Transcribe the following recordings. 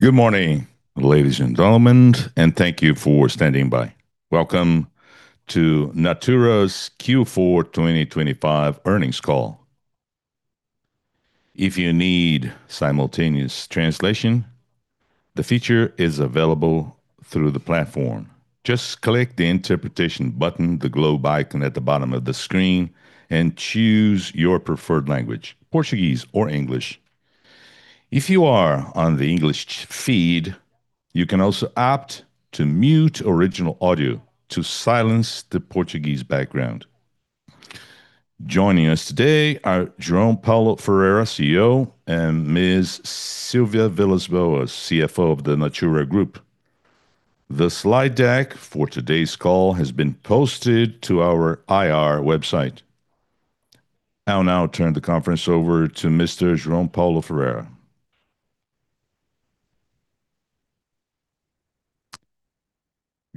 Good morning, ladies and gentlemen, and thank you for standing by. Welcome to Natura's Q4 2025 earnings call. If you need simultaneous translation, the feature is available through the platform. Just click the Interpretation button, the globe icon at the bottom of the screen, and choose your preferred language, Portuguese or English. If you are on the English feed, you can also opt to mute original audio to silence the Portuguese background. Joining us today are João Paulo Ferreira, CEO, and Ms. Silvia Vilas Boas, CFO of the Natura &Co. The slide deck for today's call has been posted to our IR website. I'll now turn the conference over to Mr. João Paulo Ferreira.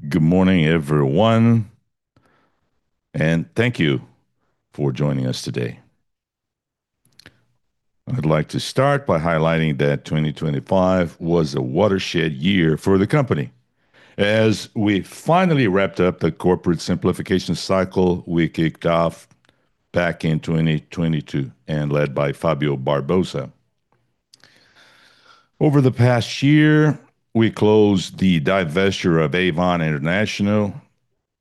Good morning, everyone, and thank you for joining us today. I'd like to start by highlighting that 2025 was a watershed year for the company as we finally wrapped up the corporate simplification cycle we kicked off back in 2022 and led by Fábio Barbosa. Over the past year, we closed the divestiture of Avon International,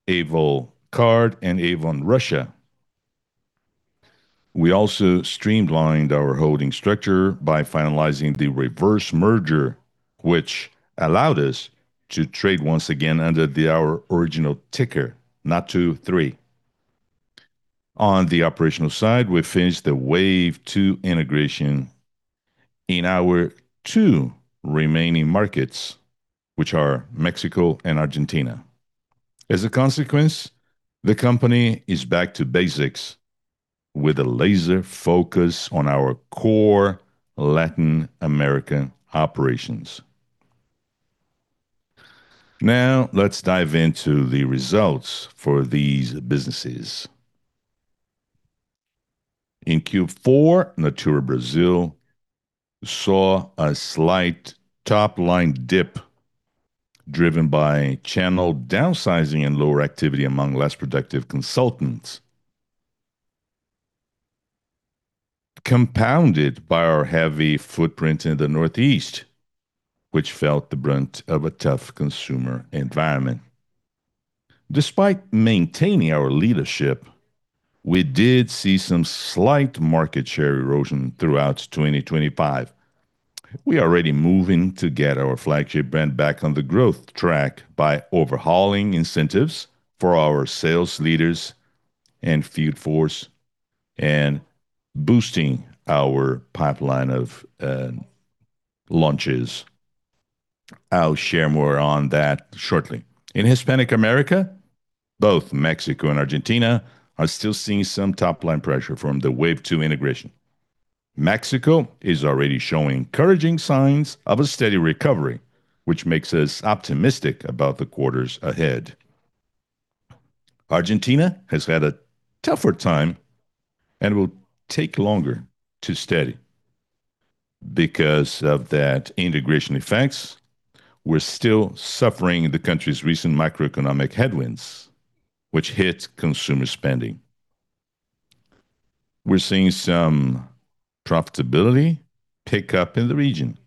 Avon CARD, and Avon Russia. We also streamlined our holding structure by finalizing the reverse merger which allowed us to trade once again under our original ticker, NATU3. On the operational side, we finished the Wave Two integration in our two remaining markets, which are Mexico and Argentina. As a consequence, the company is back to basics with a laser focus on our core Latin American operations. Now, let's dive into the results for these businesses. In Q4, Natura Brazil saw a slight top-line dip driven by channel downsizing and lower activity among less productive consultants, compounded by our heavy footprint in the northeast, which felt the brunt of a tough consumer environment. Despite maintaining our leadership, we did see some slight market share erosion throughout 2025. We are already moving to get our flagship brand back on the growth track by overhauling incentives for our sales leaders and field force and boosting our pipeline of launches. I'll share more on that shortly. In Hispanic America, both Mexico and Argentina are still seeing some top-line pressure from the Wave Two integration. Mexico is already showing encouraging signs of a steady recovery, which makes us optimistic about the quarters ahead. Argentina has had a tougher time and will take longer to steady. Because of that integration effects, we're still suffering the country's recent macroeconomic headwinds which hit consumer spending. We're seeing some profitability pick up in the region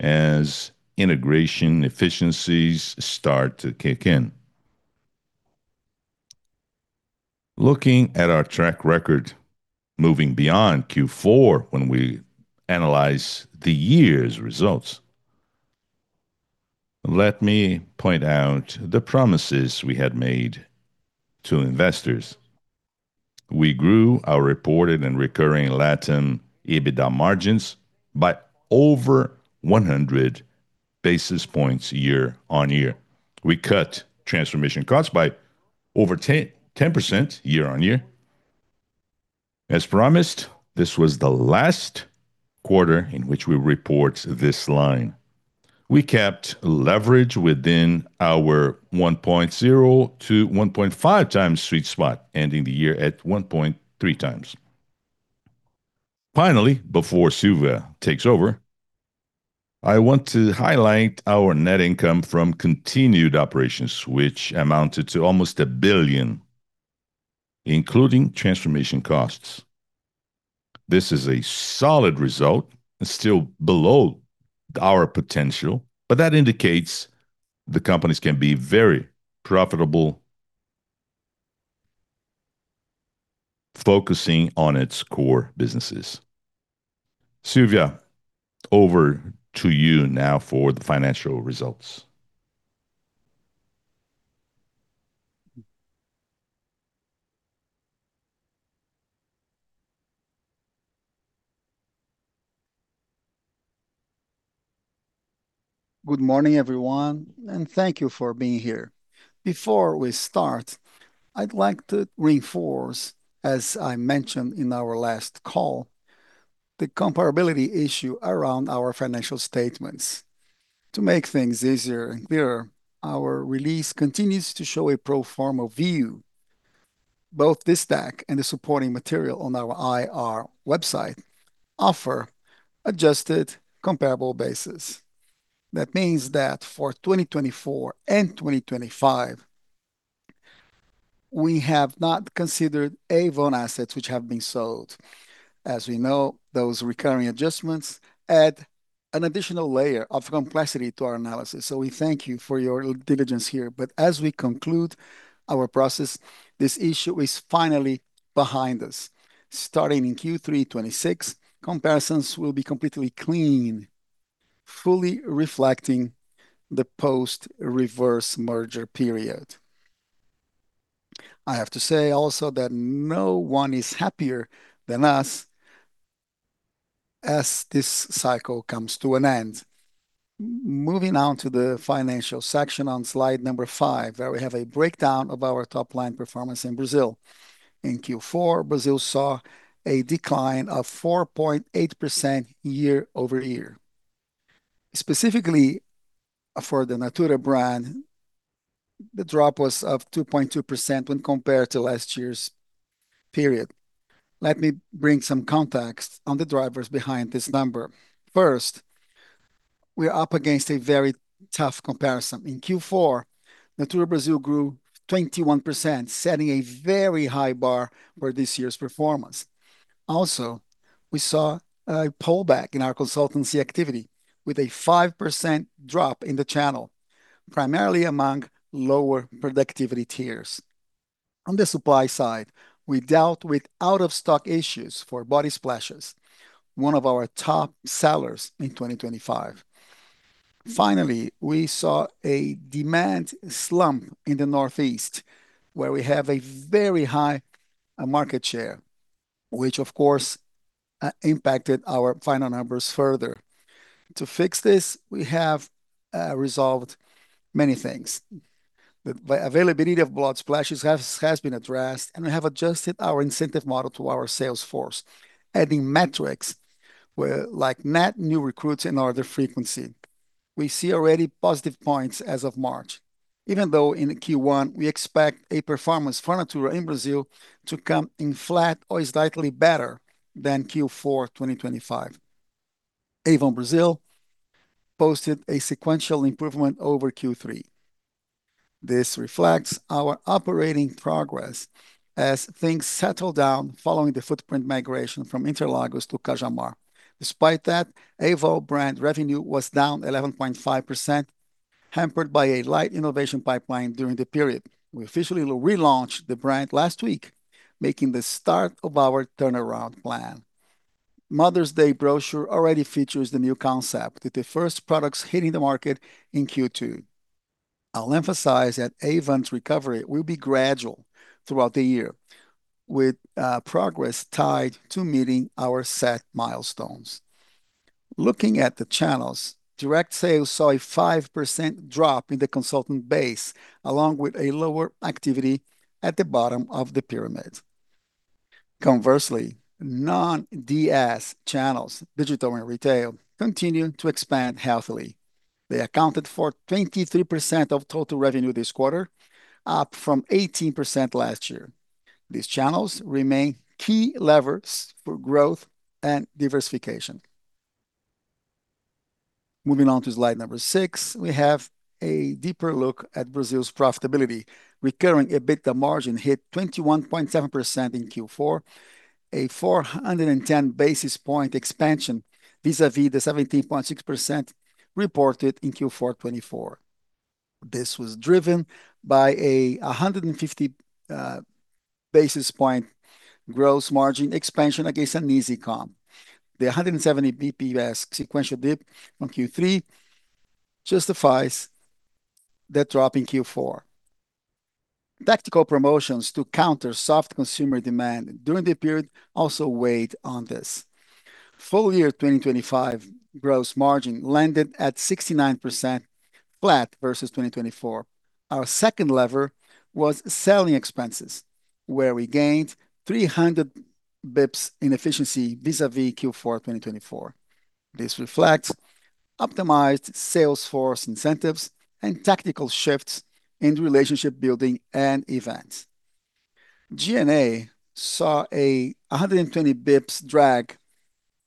as integration efficiencies start to kick in. Looking at our track record moving beyond Q4 when we analyze the year's results, let me point out the promises we had made to investors. We grew our reported and recurring Latin EBITDA margins by over basis points year-over-year. We cut transformation costs by over 10% year-over-year. As promised, this was the last quarter in which we report this line. We kept leverage within our 1.0x-1.5x sweet spot, ending the year at 1.3x. Finally, before Silvia takes over, I want to highlight our net income from continued operations which amounted to almost 1 billion, including transformation costs. This is a solid result. It's still below our potential, but that indicates the companies can be very profitable focusing on its core businesses. Silvia, over to you now for the financial results. Good morning, everyone, and thank you for being here. Before we start, I'd like to reinforce, as I mentioned in our last call, the comparability issue around our financial statements. To make things easier and clearer, our release continues to show a pro forma view. Both this stack and the supporting material on our IR website offer adjusted comparable basis. That means that for 2024 and 2025, we have not considered Avon assets which have been sold. As we know, those recurring adjustments add an additional layer of complexity to our analysis. We thank you for your diligence here. As we conclude our process, this issue is finally behind us. Starting in Q3 2026, comparisons will be completely clean, fully reflecting the post-reverse merger period. I have to say also that no one is happier than us as this cycle comes to an end. Moving on to the financial section on slide number five, where we have a breakdown of our top-line performance in Brazil. In Q4, Brazil saw a decline of 4.8% year-over-year. Specifically, for the Natura brand, the drop was of 2.2% when compared to last year's period. Let me bring some context on the drivers behind this number. First, we're up against a very tough comparison. In Q4, Natura Brazil grew 21%, setting a very high bar for this year's performance. Also, we saw a pullback in our consultancy activity with a 5% drop in the channel, primarily among lower productivity tiers. On the supply side, we dealt with out-of-stock issues for Body Splashes, one of our top sellers in 2025. Finally, we saw a demand slump in the northeast, where we have a very high market share, which of course impacted our final numbers further. To fix this, we have resolved many things. The availability of Body Splashes has been addressed, and we have adjusted our incentive model to our sales force, adding metrics like net new recruits and order frequency. We see already positive points as of March, even though in Q1 we expect a performance for Natura in Brazil to come in flat or slightly better than Q4 2025. Avon Brazil posted a sequential improvement over Q3. This reflects our operating progress as things settle down following the footprint migration from Interlagos to Cajamar. Despite that, Avon brand revenue was down 11.5%, hampered by a light innovation pipeline during the period. We officially relaunched the brand last week, making the start of our turnaround plan. Mother's Day brochure already features the new concept, with the first products hitting the market in Q2. I'll emphasize that Avon's recovery will be gradual throughout the year, with progress tied to meeting our set milestones. Looking at the channels, direct sales saw a 5% drop in the consultant base, along with a lower activity at the bottom of the pyramid. Conversely, non-DS channels, digital and retail, continue to expand healthily. They accounted for 23% of total revenue this quarter, up from 18% last year. These channels remain key levers for growth and diversification. Moving on to slide number six, we have a deeper look at Brazil's profitability. Recurring EBITDA margin hit 21.7% in Q4, a basis points expansion vis-à-vis the 17.6% reported in Q4 2024. This was driven by a basis points gross margin expansion against an easy comp. The basis points sequential dip from Q3 justifies the drop in Q4. Tactical promotions to counter soft consumer demand during the period also weighed on this. Full year 2025 gross margin landed at 69% flat versus 2024. Our second lever was selling expenses, where we gained basis points in efficiency vis-à-vis Q4 2024. This reflects optimized sales force incentives and tactical shifts in relationship building and events. G&A saw a basis points drag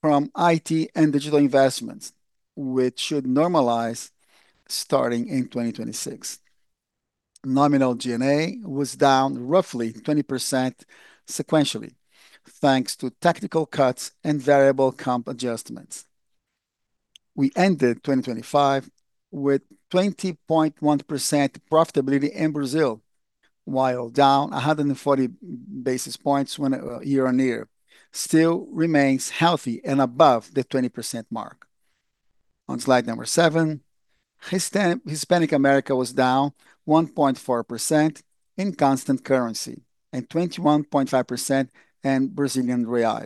from IT and digital investments, which should normalize starting in 2026. Nominal G&A was down roughly 20% sequentially, thanks to tactical cuts and variable comp adjustments. We ended 2025 with 20.1% profitability in Brazil. While down basis points year on year, still remains healthy and above the 20% mark. On slide seven, Hispanic America was down 1.4% in constant currency and 21.5% in Brazilian real.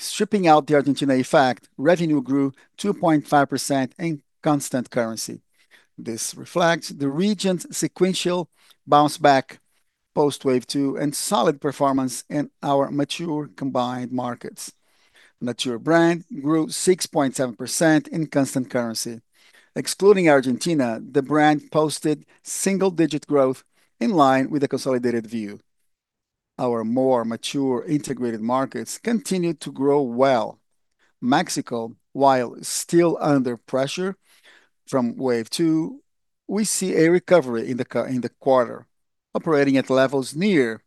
Stripping out the Argentina effect, revenue grew 2.5% in constant currency. This reflects the region's sequential bounce back post Wave Two and solid performance in our mature combined markets. Natura brand grew 6.7% in constant currency. Excluding Argentina, the brand posted single digit growth in line with the consolidated view. Our more mature integrated markets continued to grow well. Mexico, while still under pressure from Wave Two, we see a recovery in the quarter, operating at levels near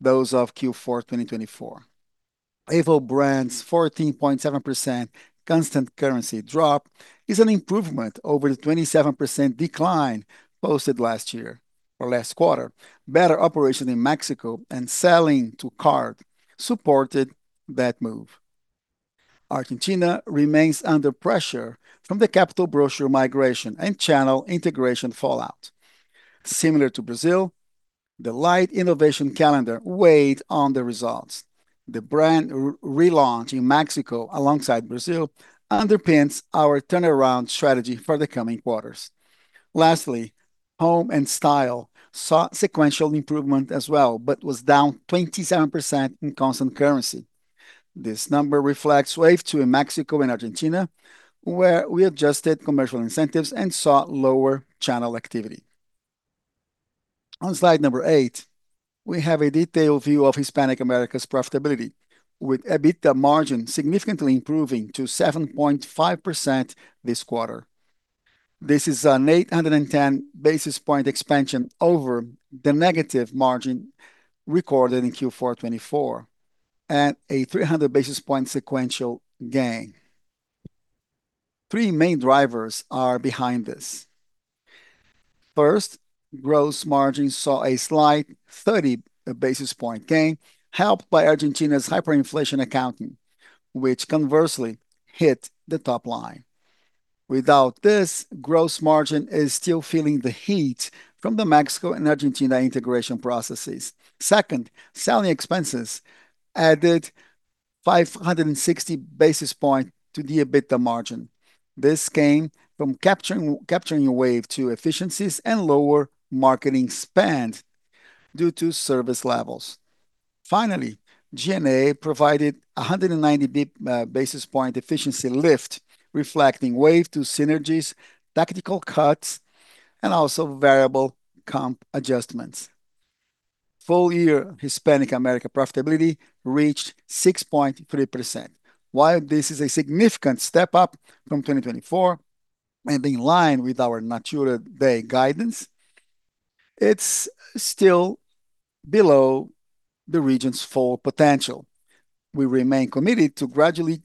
those of Q4 2024. Avon brand's 14.7% constant currency drop is an improvement over the 27% decline posted last year or last quarter. Better operations in Mexico and sell-in to CARD supported that move. Argentina remains under pressure from the capital brochure migration and channel integration fallout. Similar to Brazil, the light innovation calendar weighed on the results. The brand relaunch in Mexico alongside Brazil underpins our turnaround strategy for the coming quarters. Lastly, Home & Style saw sequential improvement as well, but was down 27% in constant currency. This number reflects Wave Two in Mexico and Argentina, where we adjusted commercial incentives and saw lower channel activity. On slide number eight, we have a detailed view of Hispanic America's profitability, with EBITDA margin significantly improving to 7.5% this quarter. This is an 810 basis points expansion over the negative margin recorded in Q4 2024 at a 300 basis points sequential gain. Three main drivers are behind this. First, gross margin saw a slight 30 basis points gain, helped by Argentina's hyperinflation accounting, which conversely hit the top line. Without this, gross margin is still feeling the heat from the Mexico and Argentina integration processes. Second, selling expenses added 560 basis points to the EBITDA margin. This came from capturing Wave Two efficiencies and lower marketing spend due to service levels. Finally, G&A provided a 190 basis points efficiency lift reflecting Wave Two synergies, tactical cuts and also variable comp adjustments. Full year Hispanic America profitability reached 6.3%. While this is a significant step up from 2024 and in line with our Natura Day guidance, it's still below the region's full potential. We remain committed to gradually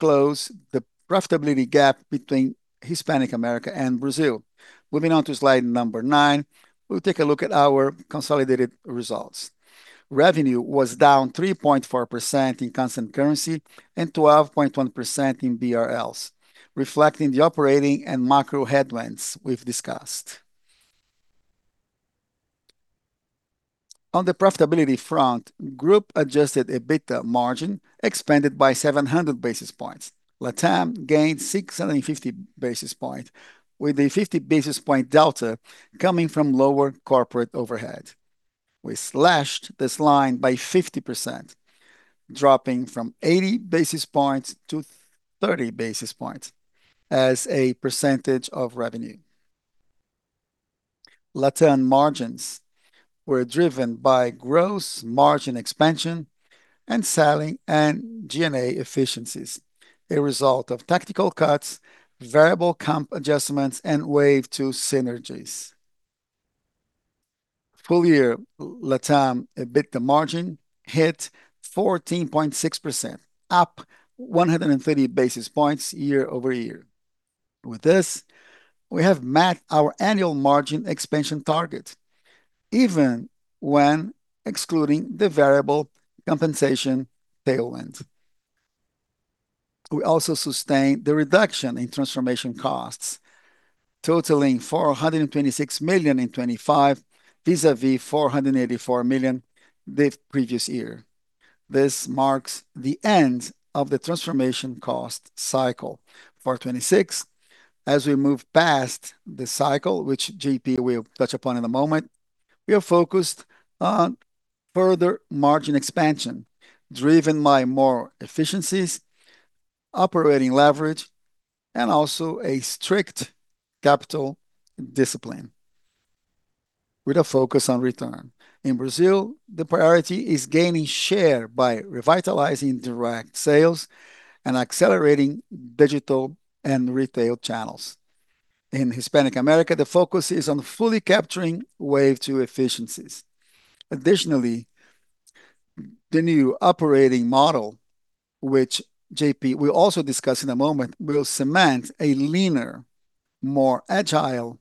close the profitability gap between Hispanic America and Brazil. Moving on to slide number nine, we'll take a look at our consolidated results. Revenue was down 3.4% in constant currency and 12.1% in Brazilian reals, reflecting the operating and macro headwinds we've discussed. On the profitability front, group-adjusted EBITDA margin expanded by basis points. latam gained basis points, with the 50 basis points delta coming from lower corporate overhead. We slashed this line by 50%, dropping from 80 basis points-30 basis points as a percentage of revenue. LatAm margins were driven by gross margin expansion and selling and SG&A efficiencies, a result of tactical cuts, variable comp adjustments and Wave Two synergies. Full year LatAm EBITDA margin hit 14.6%, up basis points year-over-year. With this, we have met our annual margin expansion target even when excluding the variable compensation tailwind. We also sustained the reduction in transformation costs, totaling 426 million in 2025 vis-à-vis 484 million the previous year. This marks the end of the transformation cost cycle for 2026. As we move past the cycle, which João Paulo will touch upon in a moment, we are focused on further margin expansion, driven by more efficiencies, operating leverage and also a strict capital discipline with a focus on return. In Brazil, the priority is gaining share by revitalizing direct sales and accelerating digital and retail channels. In Hispanic America, the focus is on fully capturing Wave Two efficiencies. Additionally, the new operating model which João Paulo will also discuss in a moment, will cement a leaner, more agile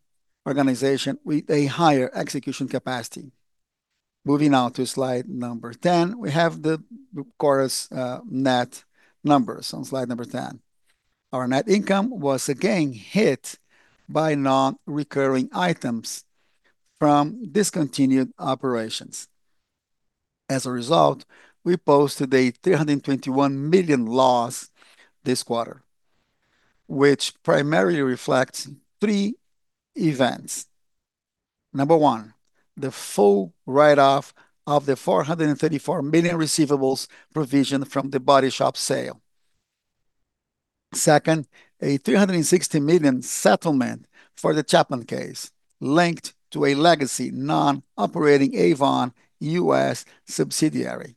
organization with a higher execution capacity. Moving on to Slide 10, we have Natura's net numbers on Slide 10. Our net income was again hit by non-recurring items from discontinued operations. As a result, we posted a 321 million loss this quarter, which primarily reflects three events. Number one, the full write-off of the 434 million receivables provision from The Body Shop sale. Second, a 360 million settlement for the Chapman case linked to a legacy non-operating Avon US subsidiary.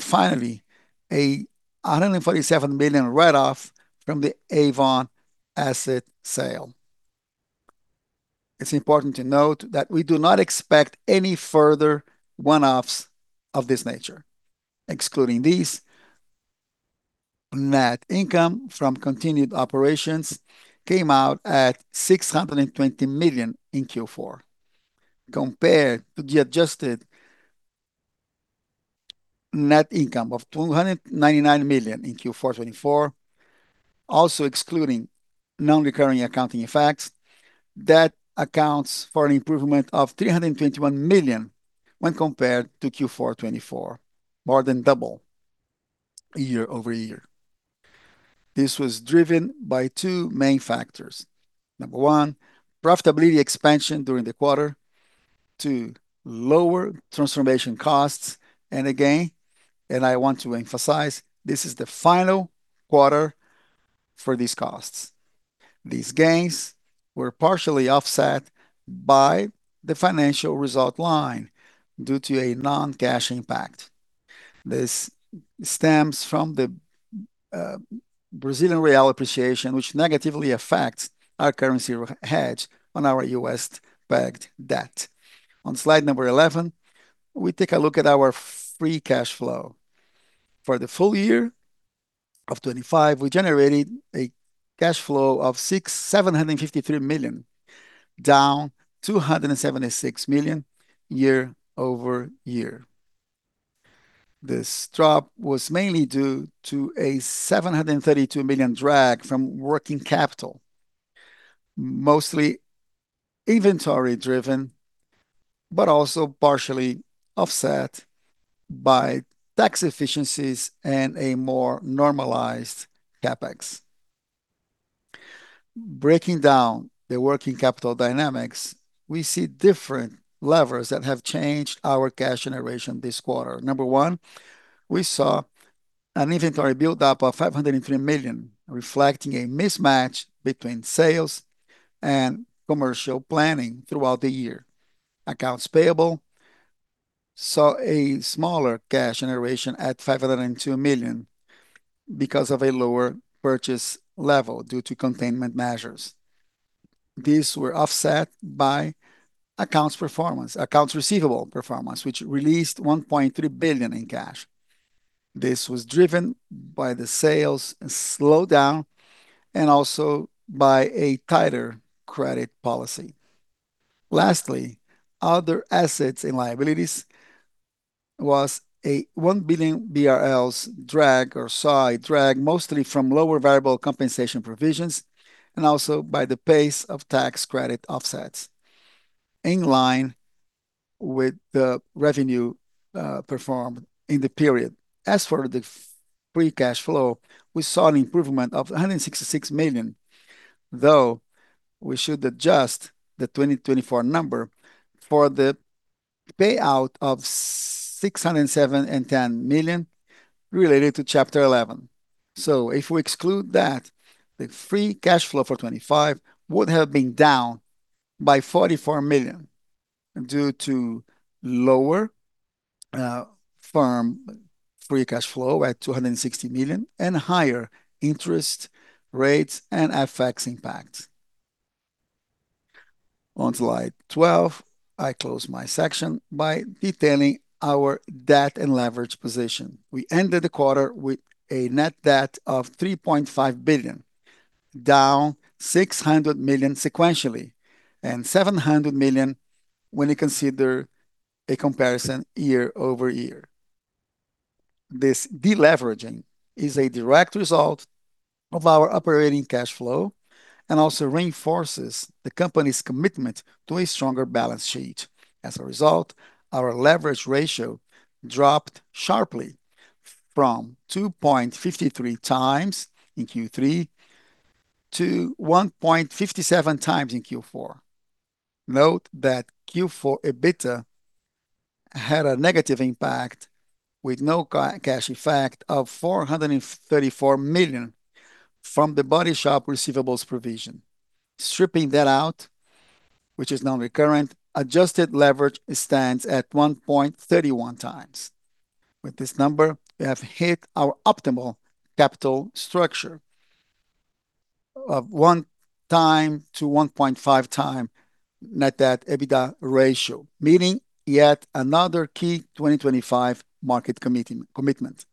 Finally, 147 million write-off from the Avon asset sale. It's important to note that we do not expect any further one-offs of this nature. Excluding these, net income from continued operations came out at 620 million in Q4, compared to the adjusted net income of 299 million in Q4 2024, also excluding non-recurring accounting effects. That accounts for an improvement of 321 million when compared to Q4 2024, more than double year-over-year. This was driven by two main factors. Number one, profitability expansion during the quarter. Two, lower transformation costs. Again, I want to emphasize, this is the final quarter for these costs. These gains were partially offset by the financial result line due to a non-cash impact. This stems from the Brazilian real appreciation, which negatively affects our currency hedge on our US-pegged debt. On slide number 11, we take a look at our free cash flow. For the full year of 2025, we generated a cash flow of 753 million, down 276 million year-over-year. This drop was mainly due to a 732 million drag from working capital, mostly inventory-driven, but also partially offset by tax efficiencies and a more normalized CapEx. Breaking down the working capital dynamics, we see different levers that have changed our cash generation this quarter. Number one, we saw an inventory build-up of 503 million, reflecting a mismatch between sales and commercial planning throughout the year. Accounts payable saw a smaller cash generation at 502 million because of a lower purchase level due to containment measures. These were offset by accounts receivable performance, which released 1.3 billion in cash. This was driven by the sales slowdown and also by a tighter credit policy. Lastly, other assets and liabilities was a 1 billion BRL drag or side drag, mostly from lower variable compensation provisions and also by the pace of tax credit offsets in line with the revenue performed in the period. As for the free cash flow, we saw an improvement of 166 million, though we should adjust the 2024 number for the payout of 607 million and 10 million related to Chapter 11. If we exclude that, the free cash flow for 2025 would have been down by 44 million due to lower firm free cash flow at 260 million and higher interest rates and FX impact. On slide 12, I close my section by detailing our debt and leverage position. We ended the quarter with a net debt of 3.5 billion, down 600 million sequentially and 700 million when you consider a comparison year-over-year. This de-leveraging is a direct result of our operating cash flow and also reinforces the company's commitment to a stronger balance sheet. As a result, our leverage ratio dropped sharply from 2.53x in Q3=1.57x in Q4. Note that Q4 EBITDA had a negative impact with no cash effect of 434 million from the Body Shop receivables provision. Stripping that out, which is non-recurrent, adjusted leverage stands at 1.31x. With this number, we have hit our optimal capital structure of 1x-1.5x net debt EBITDA ratio, meeting yet another key 2025 market commitment.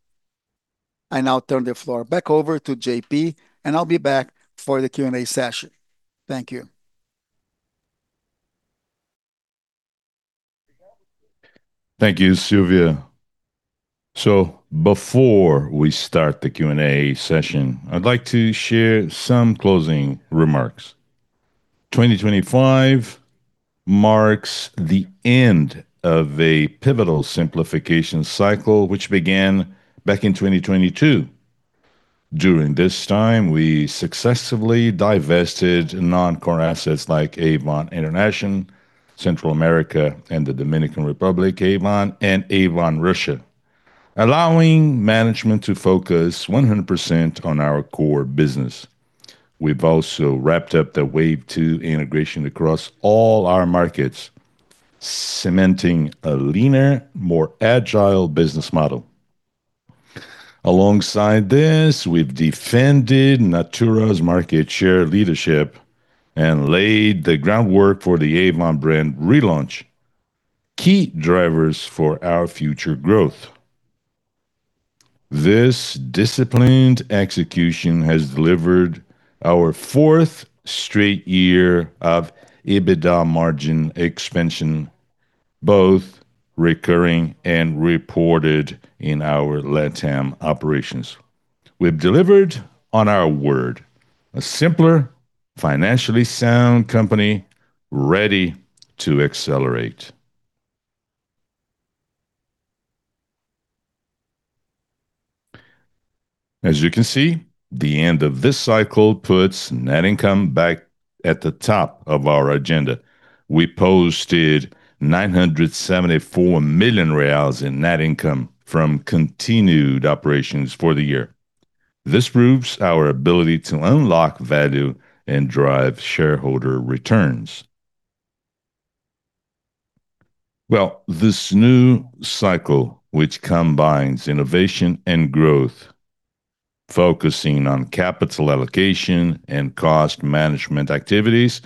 I now turn the floor back over to Joo Paulo, and I'll be back for the Q&A session. Thank you. Thank you, Silvia. Before we start the Q&A session, I'd like to share some closing remarks. 2025 marks the end of a pivotal simplification cycle which began back in 2022. During this time, we successfully divested non-core assets like Avon International, Avon CARD, and Avon Russia, allowing management to focus 100% on our core business. We've also wrapped up the Wave Two integration across all our markets, cementing a leaner, more agile business model. Alongside this, we've defended Natura's market share leadership and laid the groundwork for the Avon brand relaunch, key drivers for our future growth. This disciplined execution has delivered our fourth straight year of EBITDA margin expansion, both recurring and reported in our LatAm operations. We've delivered on our word, a simpler financially sound company ready to accelerate. As you can see, the end of this cycle puts net income back at the top of our agenda. We posted 974 million reais in net income from continued operations for the year. This proves our ability to unlock value and drive shareholder returns. Well, this new cycle, which combines innovation and growth, focusing on capital allocation and cost management activities,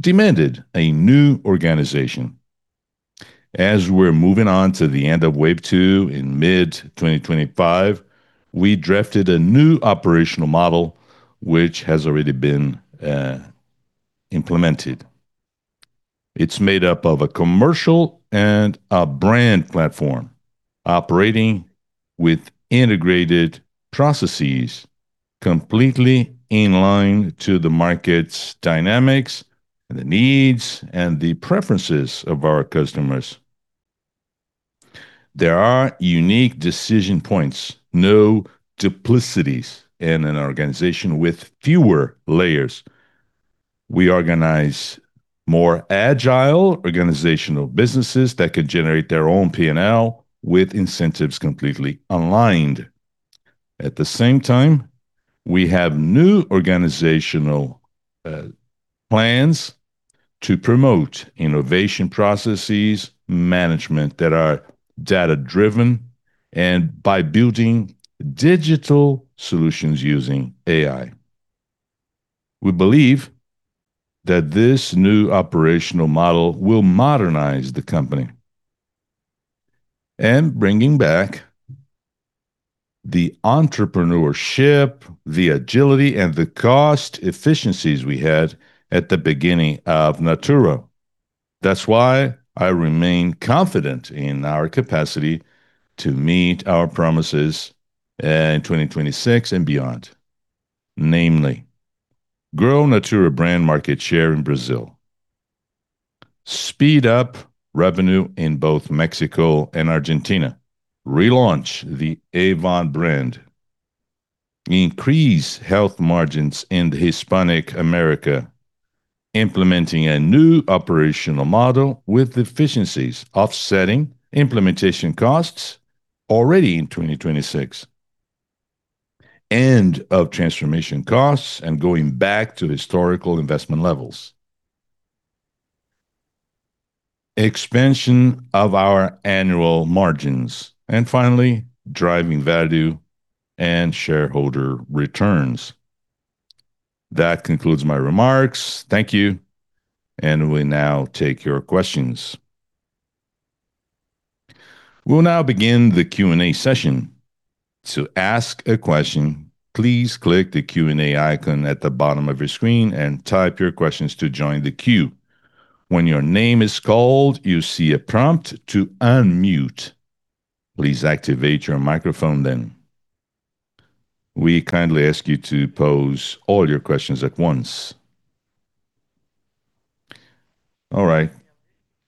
demanded a new organization. As we're moving on to the end of Wave Two in mid-2025, we drafted a new operational model which has already been implemented. It's made up of a commercial and a brand platform operating with integrated processes completely in line to the market's dynamics and the needs and the preferences of our customers. There are unique decision points, no duplicities in an organization with fewer layers. We organize more agile organizational businesses that can generate their own P&L with incentives completely aligned. At the same time, we have new organizational plans to promote innovation processes management that are data-driven and by building digital solutions using AI. We believe that this new operational model will modernize the company and bringing back the entrepreneurship, the agility, and the cost efficiencies we had at the beginning of Natura. That's why I remain confident in our capacity to meet our promises in 2026 and beyond, namely grow Natura brand market share in Brazil, speed up revenue in both Mexico and Argentina, relaunch the Avon brand, increase healthy margins in Hispanic America, implementing a new operational model with efficiencies offsetting implementation costs already in 2026, end of transformation costs and going back to historical investment levels, expansion of our annual margins, and finally driving value and shareholder returns. That concludes my remarks. Thank you. We now take your questions. We'll now begin the Q&A session. To ask a question, please click the Q&A icon at the bottom of your screen and type your questions to join the queue. When your name is called, you'll see a prompt to unmute. Please activate your microphone then. We kindly ask you to pose all your questions at once. All right.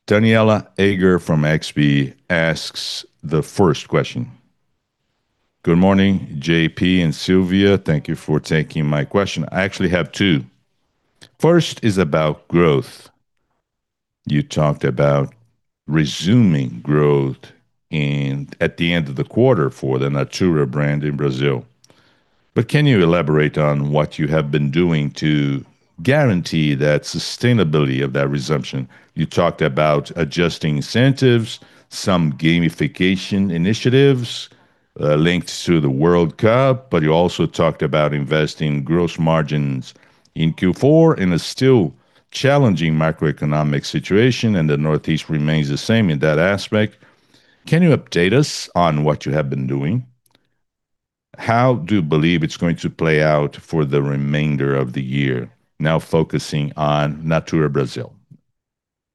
Danniela Eiger from XP asks the first question. Good morning, João Paulo and Silvia. Thank you for taking my question. I actually have two. First is about growth. You talked about resuming growth at the end of the quarter for the Natura brand in Brazil. Can you elaborate on what you have been doing to guarantee that sustainability of that resumption? You talked about adjusting incentives, some gamification initiatives, linked to the World Cup, but you also talked about investing gross margins in Q4 in a still challenging macroeconomic situation, and the Northeast remains the same in that aspect. Can you update us on what you have been doing? How do you believe it's going to play out for the remainder of the year now focusing on Natura Brazil?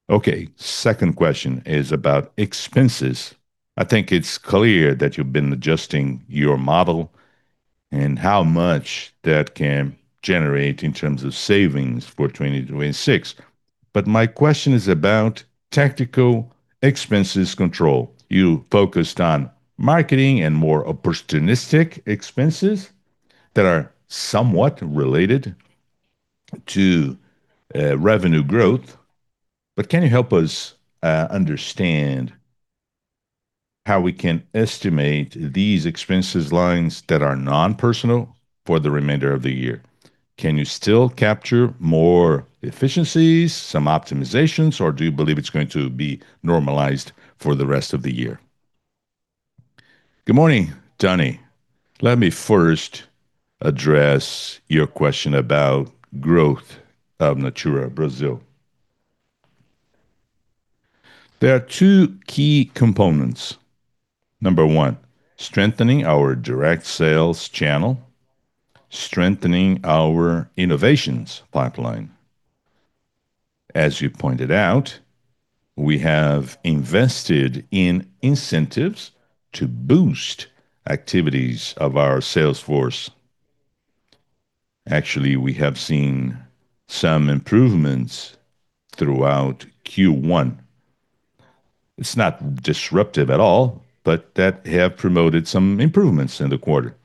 Okay. Second question is about expenses. I think it's clear that you've been adjusting your model and how much that can generate in terms of savings for 2026. My question is about tactical expenses control. You focused on marketing and more opportunistic expenses that are somewhat related to, revenue growth but can you help us, understand how we can estimate these expenses lines that are non-personal for the remainder of the year? Can you still capture more efficiencies, some optimizations, or do you believe it's going to be normalized for the rest of the year? Good morning, Danniela. Let me first address your question about growth of Natura Brazil. There are two key components. Number one, strengthening our direct sales channel, strengthening our innovations pipeline. As you pointed out, we have invested in incentives to boost activities of our sales force. Actually, we have seen some improvements throughout Q1. It's not disruptive at all, but that have promoted some improvements in the quarter.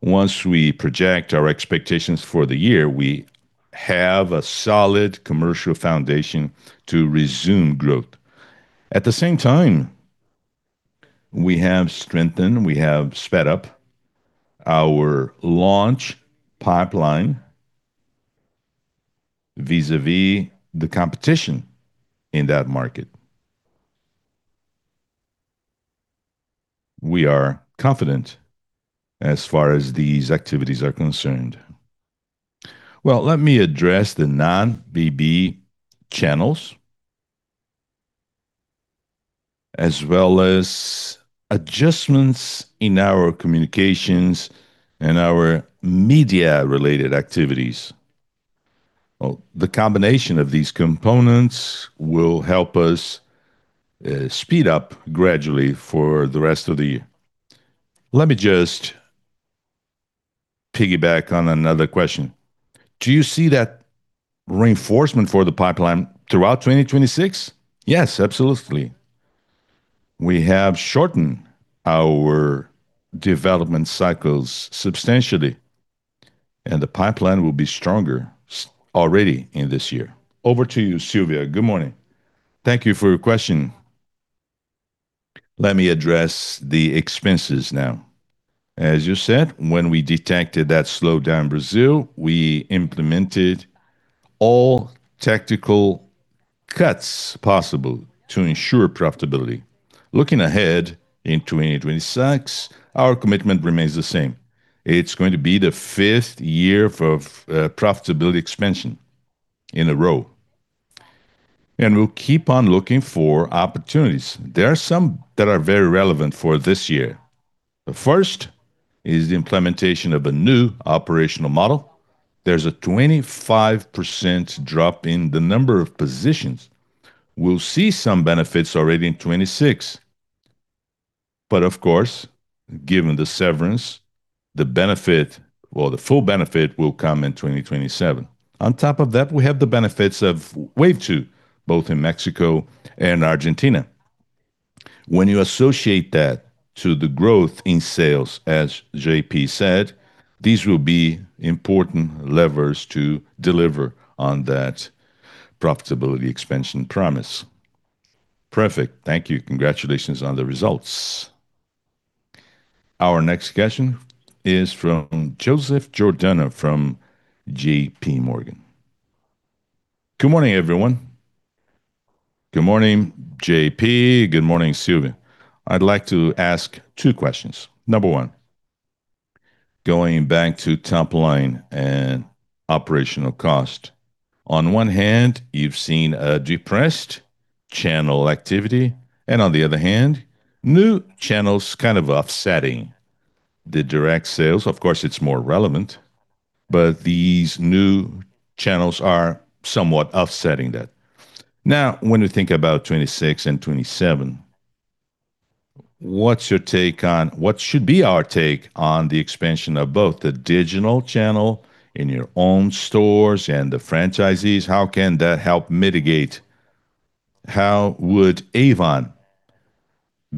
Once we project our expectations for the year, we have a solid commercial foundation to resume growth. At the same time, we have strengthened, we have sped up our launch pipeline vis-a-vis the competition in that market. We are confident as far as these activities are concerned. Well, let me address the non-BB channels, as well as adjustments in our communications and our media-related activities. Well, the combination of these components will help us, speed up gradually for the rest of the year. Let me just piggyback on another question. Do you see that reinforcement for the pipeline throughout 2026? Yes, absolutely. We have shortened our development cycles substantially, and the pipeline will be stronger already in this year. Over to you, Silvia. Good morning. Thank you for your question. Let me address the expenses now. As you said, when we detected that slowdown in Brazil, we implemented all tactical cuts possible to ensure profitability. Looking ahead in 2026, our commitment remains the same. It's going to be the fifth year for profitability expansion in a row, and we'll keep on looking for opportunities. There are some that are very relevant for this year. The first is the implementation of a new operational model. There's a 25% drop in the number of positions. We'll see some benefits already in 2026. Of course, given the severance, the benefit. Well, the full benefit will come in 2027. On top of that, we have the benefits of Wave Two, both in Mexico and Argentina. When you associate that to the growth in sales, as João Paulo said, these will be important levers to deliver on that profitability expansion promise. Perfect. Thank you. Congratulations on the results. Our next question is from Joseph Giordano from JPMorgan. Good morning, everyone. Good morning, João Paulo. Good morning, Silvia. I'd like to ask two questions. Number one, going back to top line and operational cost. On one hand, you've seen a depressed channel activity, and on the other hand, new channels kind of offsetting the direct sales. Of course, it's more relevant, but these new channels are somewhat offsetting that. Now, when we think about 2026 and 2027, what should be our take on the expansion of both the digital channel in your own stores and the franchisees? How can that help mitigate? How would Avon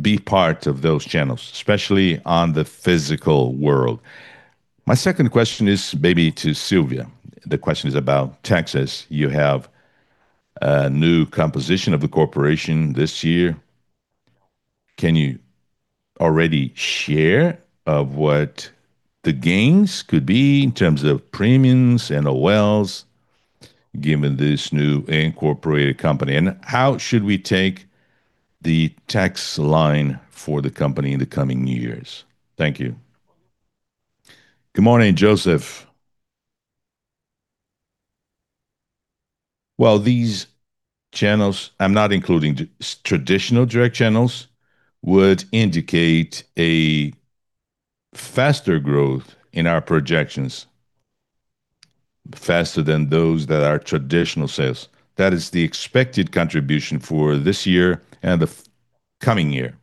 be part of those channels, especially on the physical world? My second question is maybe to Silvia. The question is about taxes. You have a new composition of the corporation this year. Can you already share of what the gains could be in terms of premiums and OLs given this new incorporated company? And how should we take the tax line for the company in the coming years? Thank you. Good morning, Joseph. Well, these channels, I'm not including traditional direct channels, would indicate a faster growth in our projections, faster than those that are traditional sales. That is the expected contribution for this year and the forthcoming year.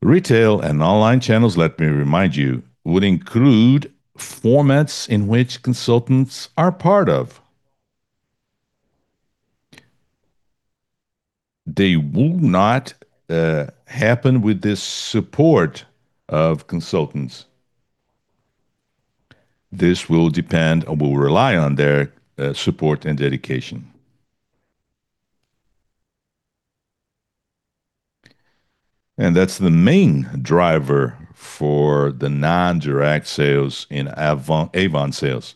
Retail and online channels, let me remind you, would include formats in which consultants are part of. They would not happen with the support of consultants. This will depend or will rely on their support and dedication. That's the main driver for the non-direct sales in Avon sales,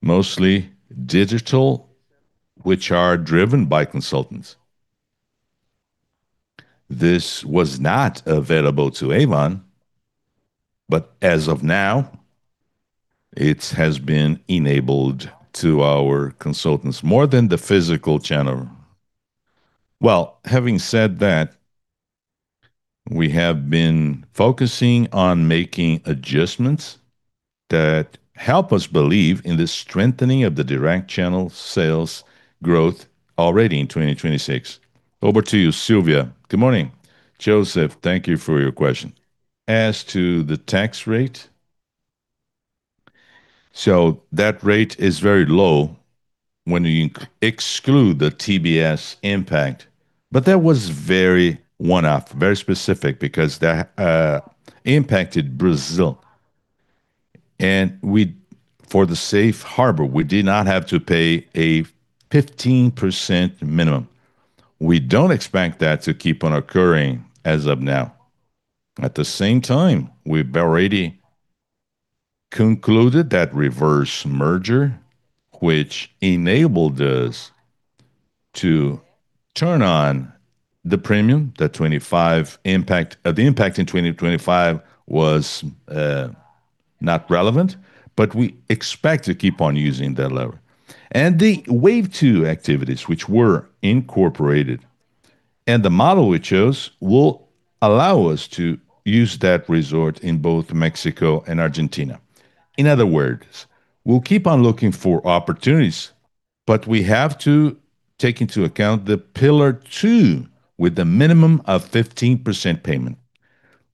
mostly digital, which are driven by consultants. This was not available to Avon, but as of now, it has been enabled to our consultants more than the physical channel. Well, having said that, we have been focusing on making adjustments that help us believe in the strengthening of the direct channel sales growth already in 2026. Over to you, Silvia. Good morning, Joseph. Thank you for your question. As to the tax rate, that rate is very low when you exclude the TBS impact, but that was very one-off, very specific because that impacted Brazil. For the safe harbor, we did not have to pay a 15% minimum. We don't expect that to keep on occurring as of now. At the same time, we've already concluded that reverse merger, which enabled us to turn on the premium, that 25 impact, the impact in 2025 was not relevant, but we expect to keep on using that lever. The Wave Two activities which were incorporated and the model we chose will allow us to use that resource in both Mexico and Argentina. In other words, we'll keep on looking for opportunities, but we have to take into account the Pillar Two with a minimum of 15% payment.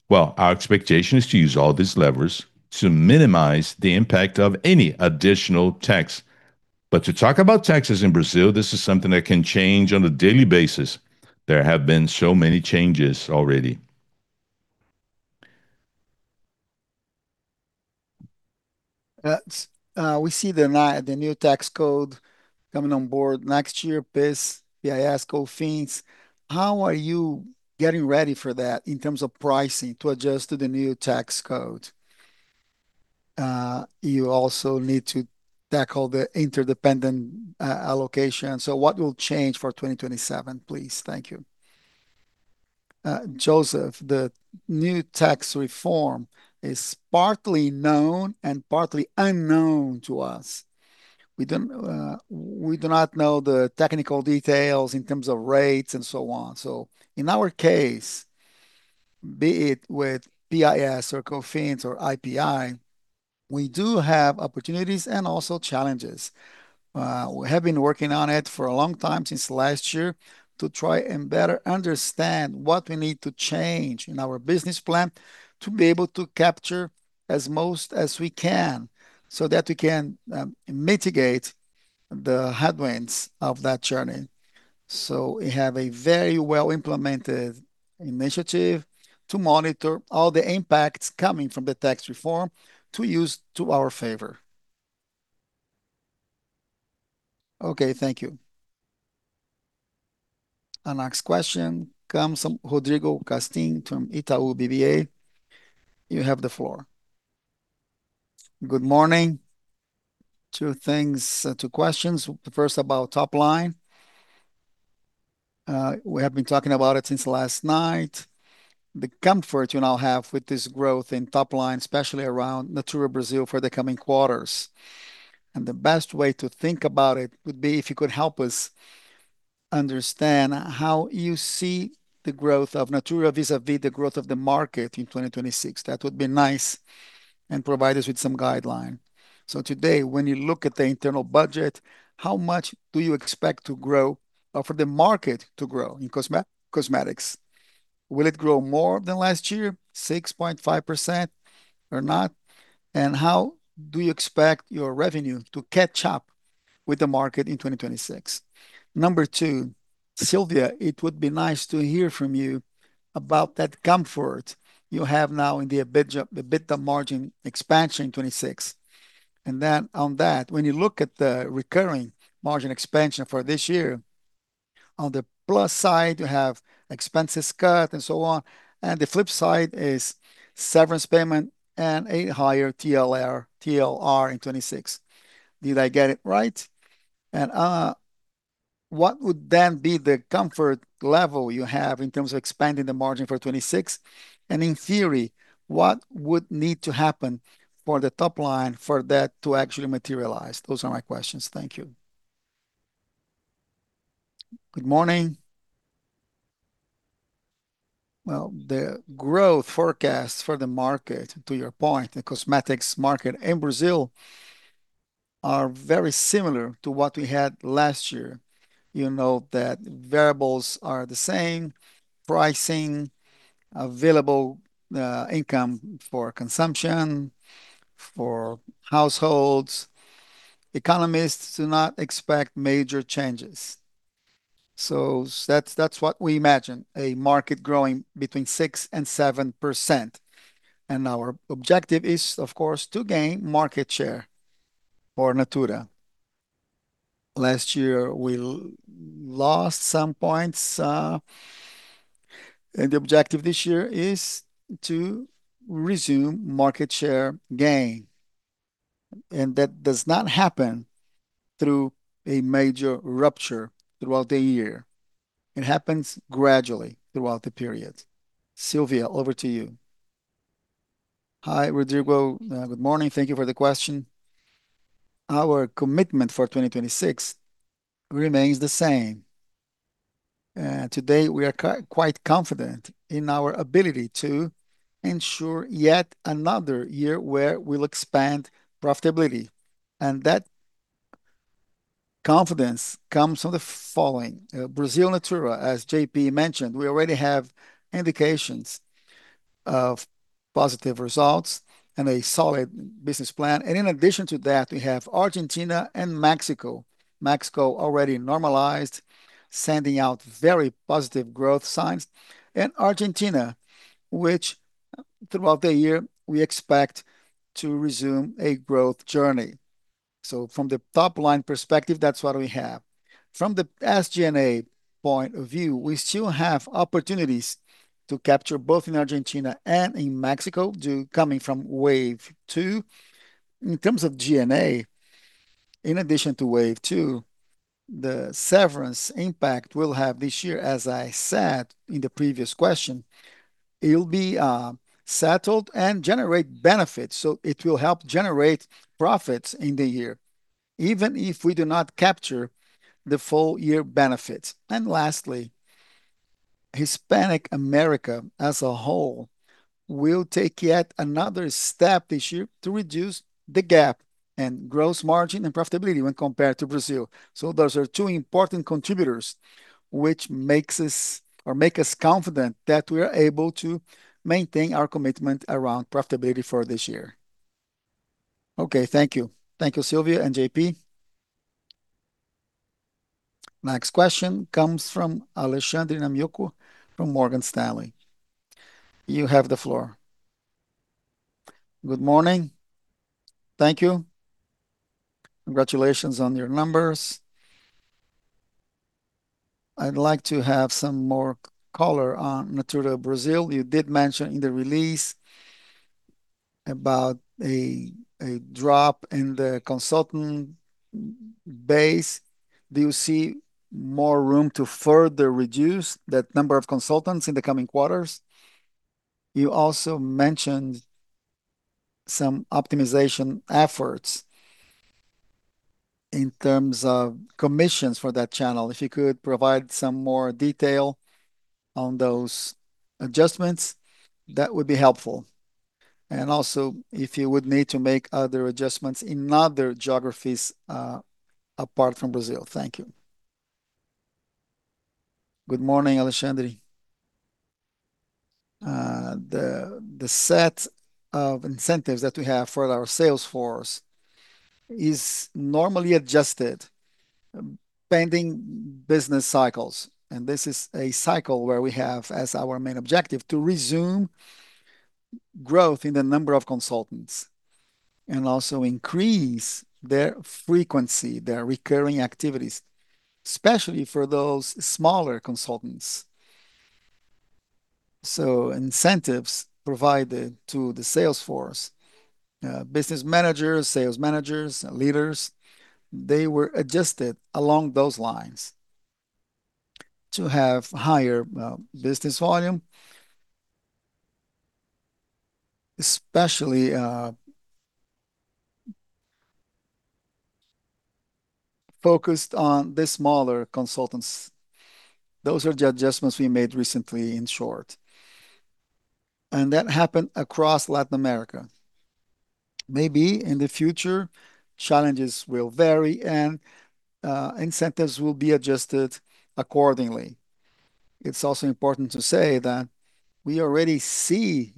Well, our expectation is to use all these levers to minimize the impact of any additional tax. To talk about taxes in Brazil, this is something that can change on a daily basis. There have been so many changes already. We see the new tax code coming on board next year, PIS/Cofins. How are you getting ready for that in terms of pricing to adjust to the new tax code? You also need to tackle the interdependent allocation. What will change for 2027, please? Thank you. Joseph, the new tax reform is partly known and partly unknown to us. We do not know the technical details in terms of rates and so on. In our case, be it with PIS or Cofins or IPI, we do have opportunities and also challenges. We have been working on it for a long time since last year to try and better understand what we need to change in our business plan to be able to capture as most as we can, so that we can, mitigate the headwinds of that journey. We have a very well-implemented initiative to monitor all the impacts coming from the tax reform to use to our favor. Okay, thank you. Our next question comes from Rodrigo Castanho from Itaú BBA. You have the floor. Good morning. Two things, two questions. The first about top line. We have been talking about it since last night. The comfort you now have with this growth in top line, especially around Natura Brazil for the coming quarters. The best way to think about it would be if you could help us understand how you see the growth of Natura vis-a-vis the growth of the market in 2026. That would be nice and provide us with some guideline. Today, when you look at the internal budget, how much do you expect to grow for the market to grow in cosmetics? Will it grow more than last year, 6.5%, or not? How do you expect your revenue to catch up with the market in 2026? Number two, Silvia, it would be nice to hear from you about that comfort you have now in the EBITDA margin expansion in 2026. On that, when you look at the recurring margin expansion for this year, on the plus side, you have expenses cut and so on, and the flip side is severance payment and a higher TLR in 2026. Did I get it right? What would then be the comfort level you have in terms of expanding the margin for 2026? In theory, what would need to happen for the top line for that to actually materialize? Those are my questions. Thank you. Good morning. Well, the growth forecast for the market, to your point, the cosmetics market in Brazil are very similar to what we had last year. You know that variables are the same, pricing, available income for consumption, for households. Economists do not expect major changes. That's what we imagine, a market growing between 6%-7%. Our objective is, of course, to gain market share for Natura. Last year we lost some points, and the objective this year is to resume market share gain. That does not happen through a major rupture throughout the year. It happens gradually throughout the period. Silvia, over to you. Hi, Rodrigo. Good morning. Thank you for the question. Our commitment for 2026 remains the same. Today we are quite confident in our ability to ensure yet another year where we'll expand profitability, and that confidence comes from the following. Natura Brazil, as João Paulo mentioned, we already have indications of positive results and a solid business plan. In addition to that, we have Argentina and Mexico. Mexico already normalized, sending out very positive growth signs. Argentina, which, throughout the year we expect to resume a growth journey. From the top line perspective, that's what we have. From the SG&A point of view, we still have opportunities to capture, both in Argentina and in Mexico due to coming from Wave Two. In terms of G&A, in addition to Wave Two, the severance impact we'll have this year, as I said in the previous question, it'll be settled and generate benefits. It will help generate profits in the year, even if we do not capture the full year benefits. Lastly, Hispanic America as a whole will take yet another step this year to reduce the gap and gross margin and profitability when compared to Brazil. Those are two important contributors which makes us confident that we're able to maintain our commitment around profitability for this year. Okay. Thank you. Thank you, Silvia and João Paulo. Next question comes from Andrew Ruben from Morgan Stanley. You have the floor. Good morning. Thank you. Congratulations on your numbers. I'd like to have some more color on Natura Brazil. You did mention in the release about a drop in the consultant base. Do you see more room to further reduce the number of consultants in the coming quarters? You also mentioned some optimization efforts in terms of commissions for that channel. If you could provide some more detail on those adjustments, that would be helpful. Also, if you would need to make other adjustments in other geographies apart from Brazil. Thank you. Good morning, Andrew. The set of incentives that we have for our sales force is normally adjusted, pending business cycles, and this is a cycle where we have as our main objective to resume growth in the number of consultants and also increase their frequency, their recurring activities, especially for those smaller consultants. Incentives provided to the sales force, business managers, sales managers, leaders, they were adjusted along those lines to have higher business volume, especially focused on the smaller consultants. Those are the adjustments we made recently, in short. That happened across Latin America. Maybe in the future, challenges will vary and incentives will be adjusted accordingly. It's also important to say that we already see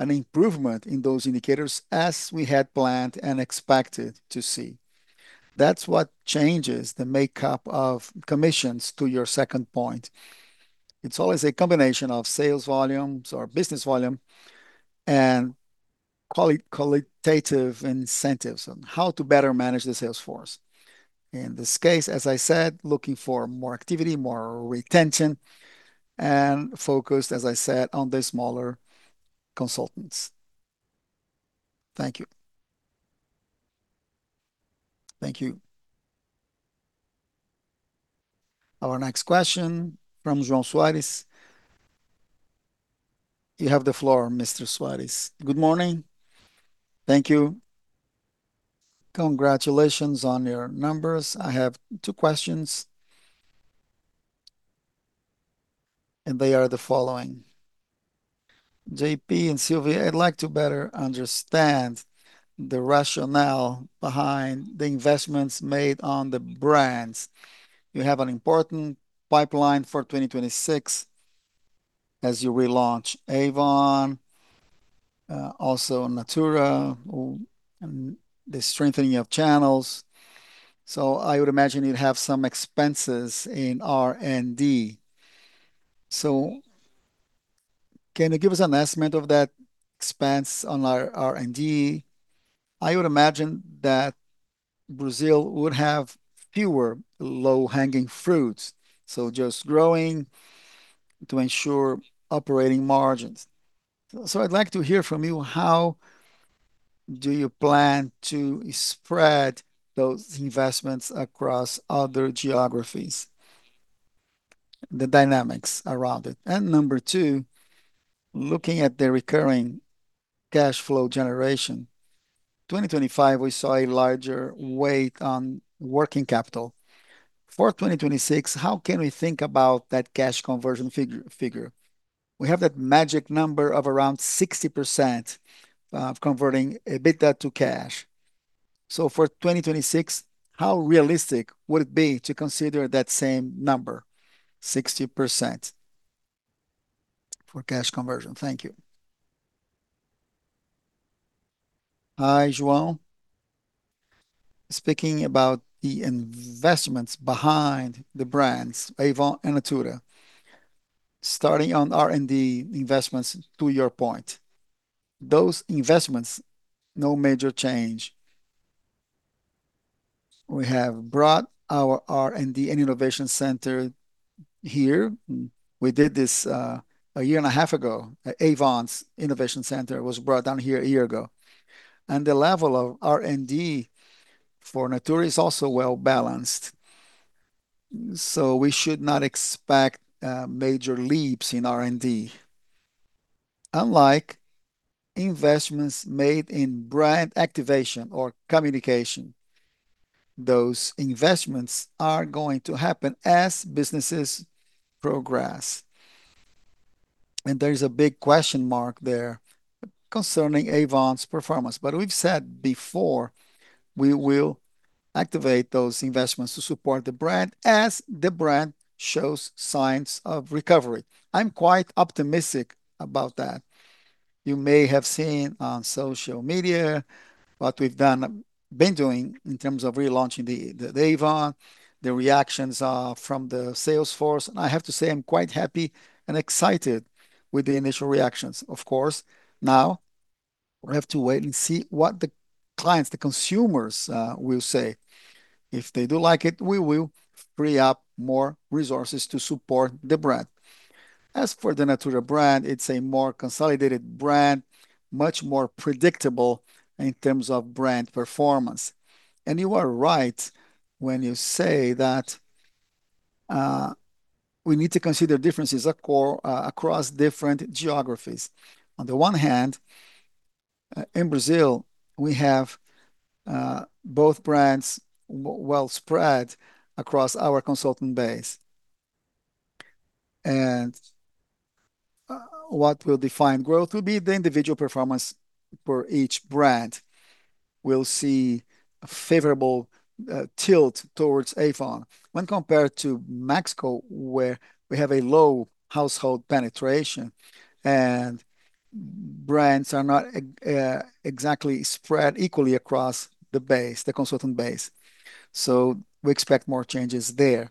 an improvement in those indicators as we had planned and expected to see. That's what changes the makeup of commissions to your second point. It's always a combination of sales volumes or business volume and qualitative incentives on how to better manage the sales force. In this case, as I said, looking for more activity, more retention, and focused, as I said, on the smaller consultants. Thank you. Thank you. Our next question from João Soares. You have the floor, Mr. Soares. Good morning. Thank you. Congratulations on your numbers. I have two questions. They are the following. João Paulo and Silvia, I'd like to better understand the rationale behind the investments made on the brands. You have an important pipeline for 2026 as you relaunch Avon, also Natura, and the strengthening of channels. So I would imagine you'd have some expenses in R&D. So can you give us an estimate of that expense on R&D? I would imagine that Brazil would have fewer low-hanging fruits, so just growing to ensure operating margins. I'd like to hear from you, how do you plan to spread those investments across other geographies, the dynamics around it? Number two, looking at the recurring cash flow generation, 2025 we saw a larger weight on working capital. For 2026, how can we think about that cash conversion figure? We have that magic number of around 60%, converting EBITDA to cash. For 2026, how realistic would it be to consider that same number, 60%, for cash conversion? Thank you. Hi, João. Speaking about the investments behind the brands Avon and Natura. Starting on R&D investments, to your point, those investments, no major change. We have brought our R&D and innovation center here. We did this a year and a half ago. Avon's innovation center was brought down here a year ago. The level of R&D for Natura is also well-balanced, so we should not expect major leaps in R&D. Unlike investments made in brand activation or communication, those investments are going to happen as businesses progress. There is a big question mark there concerning Avon's performance. We've said before, we will activate those investments to support the brand as the brand shows signs of recovery. I'm quite optimistic about that. You may have seen on social media what we've been doing in terms of relaunching the Avon. The reactions from the sales force, and I have to say I'm quite happy and excited with the initial reactions. Of course, now we have to wait and see what the clients, the consumers will say. If they do like it, we will free up more resources to support the brand. As for the Natura brand, it's a more consolidated brand, much more predictable in terms of brand performance. You are right when you say that, we need to consider differences across different geographies. On the one hand, in Brazil, we have both brands well spread across our consultant base. What will define growth will be the individual performance for each brand. We'll see a favorable tilt towards Avon when compared to Mexico, where we have a low household penetration and brands are not exactly spread equally across the base, the consultant base. We expect more changes there.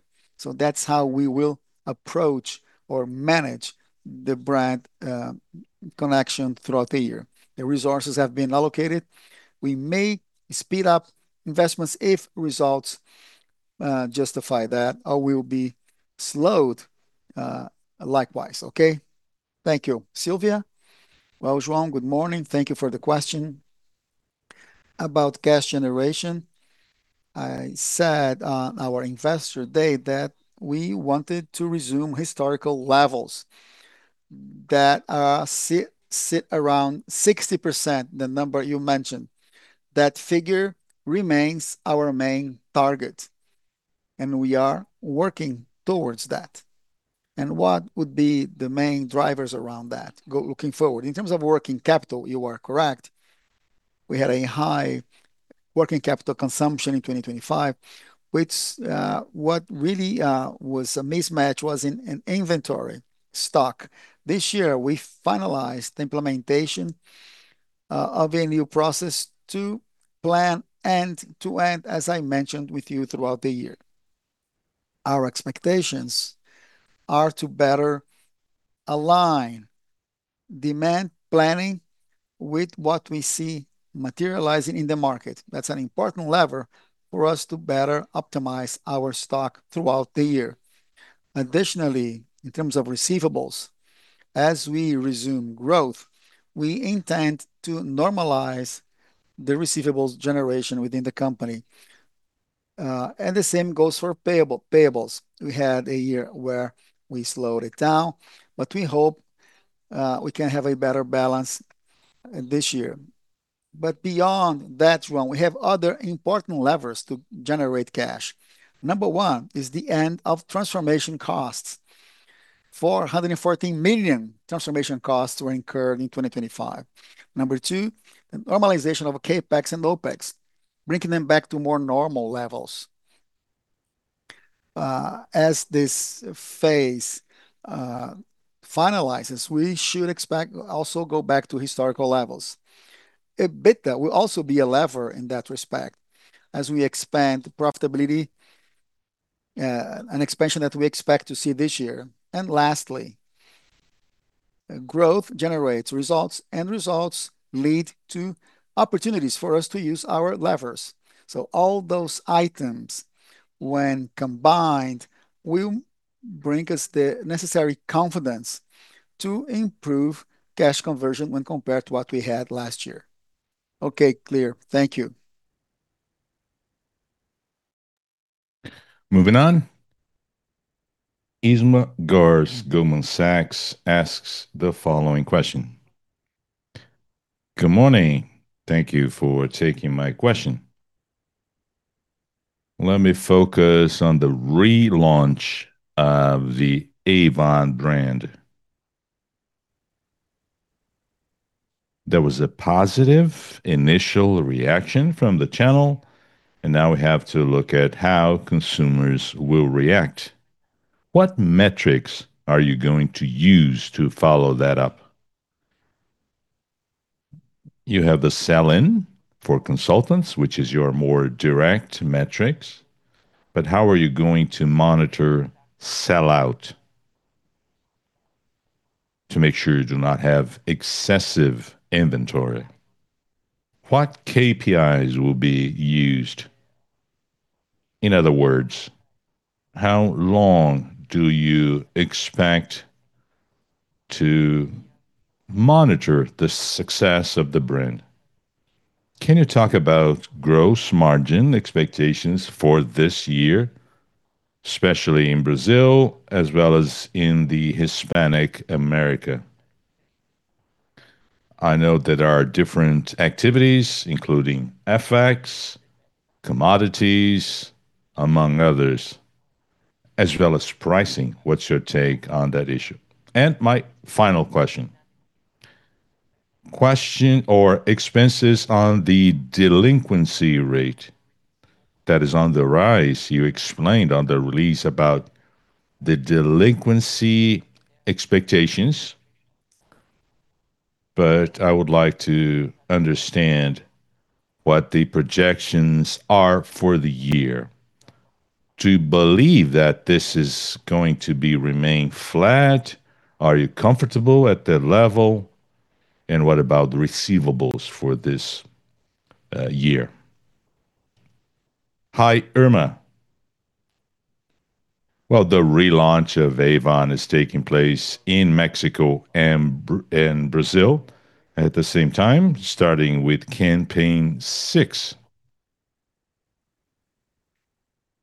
That's how we will approach or manage the brand connection throughout the year. The resources have been allocated. We may speed up investments if results justify that, or we'll be slowed likewise. Okay? Thank you. Silvia? Well, João, good morning. Thank you for the question. About cash generation, I said on our Investor Day that we wanted to resume historical levels that sit around 60%, the number you mentioned. That figure remains our main target, and we are working towards that. What would be the main drivers around that looking forward? In terms of working capital, you are correct. We had a high working capital consumption in 2025, which really was a mismatch in inventory stock. This year, we finalized implementation of a new process to plan end-to-end, as I mentioned with you, throughout the year. Our expectations are to better align demand planning with what we see materializing in the market. That's an important lever for us to better optimize our stock throughout the year. Additionally, in terms of receivables, as we resume growth, we intend to normalize the receivables generation within the company. The same goes for payables. We had a year where we slowed it down, but we hope we can have a better balance this year. Beyond that one, we have other important levers to generate cash. Number one is the end of transformation costs. 414 million transformation costs were incurred in 2025. Number two, the normalization of CapEx and OpEx, bringing them back to more normal levels. As this phase finalizes, we should expect also go back to historical levels. EBITDA will also be a lever in that respect as we expand profitability, an expansion that we expect to see this year. Lastly, growth generates results, and results lead to opportunities for us to use our levers. All those items, when combined, will bring us the necessary confidence to improve cash conversion when compared to what we had last year. Okay. Clear. Thank you. Moving on. Irma Sgarz, Goldman Sachs asks the following question. "Good morning. Thank you for taking my question. Let me focus on the relaunch of the Avon brand. There was a positive initial reaction from the channel, and now we have to look at how consumers will react. What metrics are you going to use to follow that up? You have the sell-in for consultants, which is your more direct metrics, but how are you going to monitor sell-out to make sure you do not have excessive inventory? What KPIs will be used? In other words, how long do you expect to monitor the success of the brand? Can you talk about gross margin expectations for this year, especially in Brazil as well as in the Hispanic America? I know that there are different activities, including FX, commodities, among others, as well as pricing. What's your take on that issue? My final question on expenses on the delinquency rate that is on the rise. You explained on the release about the delinquency expectations, but I would like to understand what the projections are for the year. To believe that this is going to remain flat, are you comfortable at that level? And what about receivables for this year? Hi, Irma. Well, the relaunch of Avon is taking place in Mexico and Brazil at the same time, starting with campaign 6.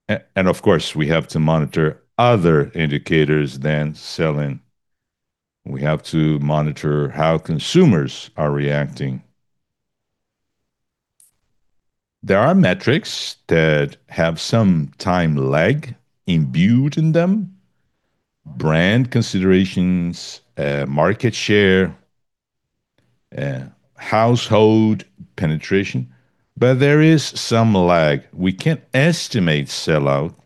And of course, we have to monitor other indicators than sell-in. We have to monitor how consumers are reacting. There are metrics that have some time lag imbued in them, brand considerations, market share, household penetration, but there is some lag. We can estimate sell-out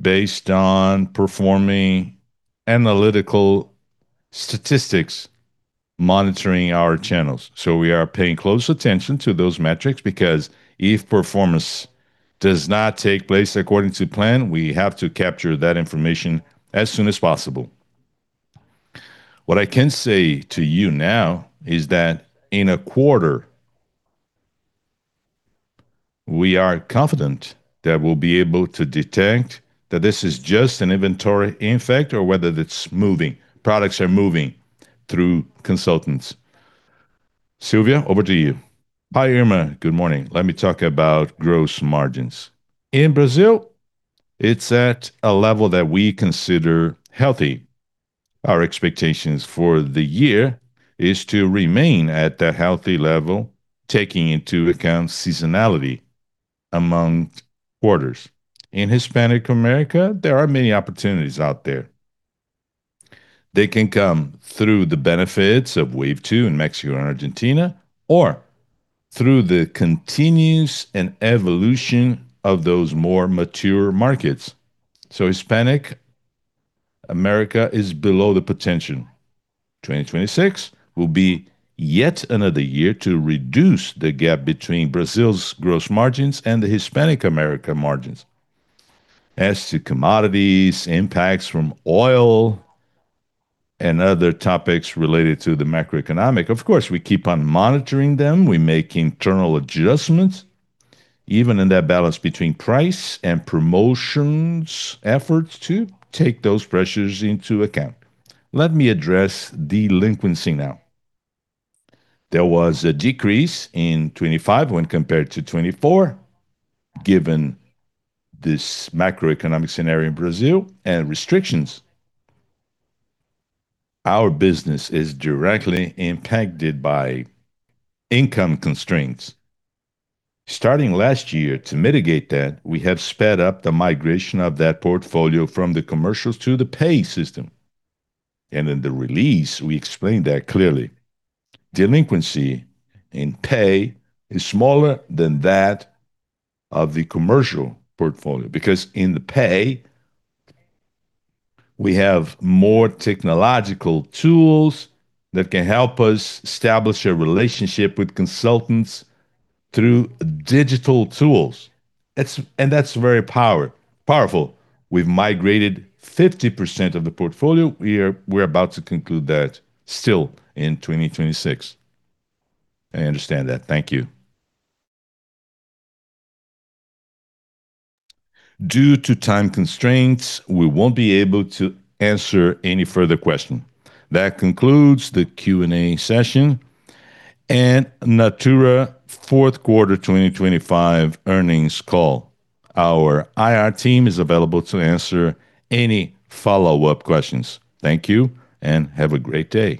based on performing analytical statistics, monitoring our channels. We are paying close attention to those metrics because if performance does not take place according to plan, we have to capture that information as soon as possible. What I can say to you now is that in a quarter, we are confident that we'll be able to detect that this is just an inventory effect or whether it's moving, products are moving through consultants. Silvia, over to you. Hi, Irma. Good morning. Let me talk about gross margins. In Brazil, it's at a level that we consider healthy. Our expectations for the year is to remain at that healthy level, taking into account seasonality among quarters. In Hispanic America, there are many opportunities out there. They can come through the benefits of Wave Two in Mexico and Argentina or through the continuous and evolution of those more mature markets. Hispanic America is below the potential. 2026 will be yet another year to reduce the gap between Brazil's gross margins and the Hispanic America margins. As to commodities, impacts from oil, and other topics related to the macroeconomic, of course, we keep on monitoring them. We make internal adjustments, even in that balance between price and promotions efforts to take those pressures into account. Let me address delinquency now. There was a decrease in 2025 when compared to 2024, given this macroeconomic scenario in Brazil and restrictions. Our business is directly impacted by income constraints. Starting last year, to mitigate that, we have sped up the migration of that portfolio from the commercials to the pay system. In the release, we explained that clearly. Delinquency in pay is smaller than that of the commercial portfolio because in the pay, we have more technological tools that can help us establish a relationship with consultants through digital tools. That's very powerful. We've migrated 50% of the portfolio. We're about to conclude that still in 2026. I understand that. Thank you. Due to time constraints, we won't be able to answer any further question. That concludes the Q&A session and Natura fourth quarter 2025 earnings call. Our IR team is available to answer any follow-up questions. Thank you and have a great day.